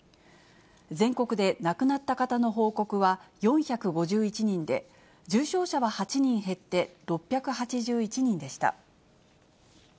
全国で亡くなった方の報告は４５１人で、重症者は８人減って６８１人でした。